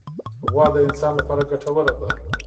غوا د انسان لپاره ګټوره ده.